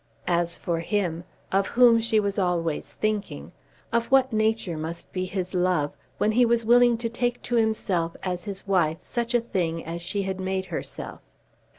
As for him, of whom she was always thinking, of what nature must be his love, when he was willing to take to himself as his wife such a thing as she had made herself!